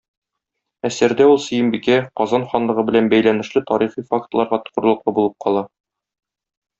Әсәрдә ул Сөембикә, Казан ханлыгы белән бәйләнешле тарихи фактларга тугрылыклы булып кала.